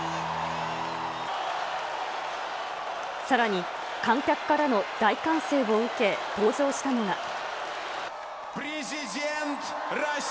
さらに、観客からの大歓声を受け、登場したのが。